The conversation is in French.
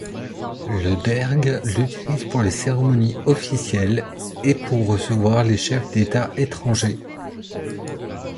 Le Derg l'utilise pour les cérémonies officielles et pour recevoir les chefs d'États étrangers.